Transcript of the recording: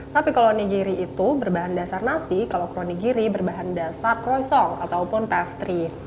tapi kalau onigiri itu berbahan dasar nasi kalau kronigiri berbahan dasar krosong ataupun pastry